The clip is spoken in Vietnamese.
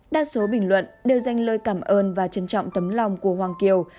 đa số bình luận đều dành lời cảm ơn và trân trọng tấm lòng của hoàng kiều